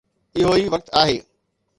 اهو ئي وقت آهي